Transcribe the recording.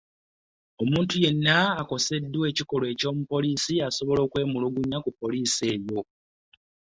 Omuntu yenna akoseddwa ekikolwa ky’omupoliisi asobola okwemulugunya ku mupoliisi oyo.